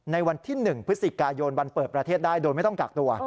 ในวันที่๑พฤศจิกายนวันเปิดประเทศได้โดยไม่ต้องกักตัว